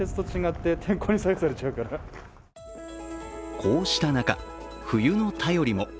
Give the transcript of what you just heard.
こうした中、冬の便りも。